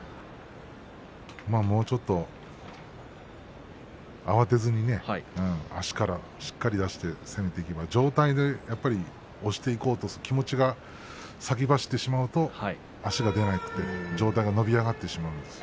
もうちょっと慌てずにね足からしっかり出して攻めていけば上体でやっぱり押していこうと気持ちが先走ってしまうと足が出なくて上体が伸び上がってしまうんです。